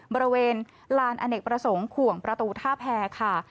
บริเวณลานอเนกประสงค์ขวงประตูท่าแพรค่ะ